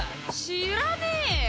知らねえよ！